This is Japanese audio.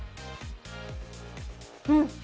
うん！